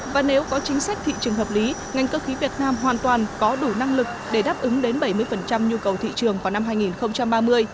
và nếu có chính sách thị trường hợp lý ngành cơ khí việt nam hoàn toàn có đủ năng lực để đáp ứng đến bảy mươi nhu cầu thị trường vào năm hai nghìn ba mươi